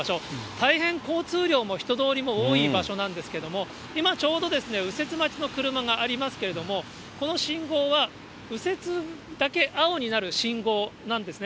大変交通量も人通りも多い場所なんですけども、今、ちょうど右折待ちの車がありますけれども、この信号は右折だけ青になる信号なんですね。